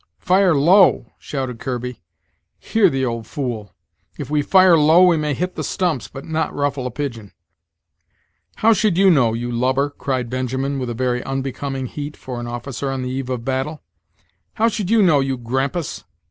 "Fire low!" shouted Kirby; "hear the old fool! If we fire low, we may hit the stumps, but not ruffle a pigeon." "How should you know, you lubber?" cried Benjamin, with a very unbecoming heat for an officer on the eve of battle "how should you know, you grampus?